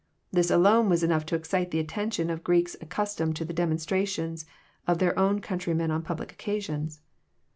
This alone was enough to excite the attention of Greeks accustomed to the demonstrations of their own countrymen on public occasions.